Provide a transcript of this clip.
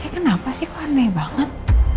kenapa sih aneh banget